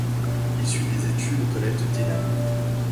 Il suit des études au collège de Dinan.